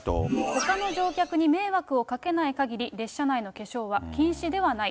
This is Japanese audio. ほかの乗客に迷惑をかけないかぎり列車内の化粧は禁止ではない。